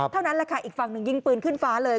เท่านั้นแหละค่ะอีกฝั่งหนึ่งยิงปืนขึ้นฟ้าเลย